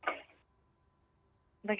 seperti apa mbak ika